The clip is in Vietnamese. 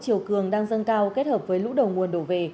chiều cường đang dâng cao kết hợp với lũ đầu nguồn đổ về